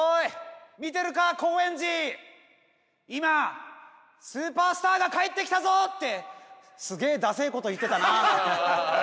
「今スーパースターが帰ってきたぞ！」ってすげえダセえ事言ってたな。